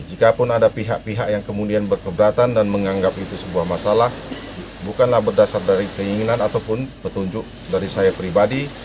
jikapun ada pihak pihak yang kemudian berkeberatan dan menganggap itu sebuah masalah bukanlah berdasar dari keinginan ataupun petunjuk dari saya pribadi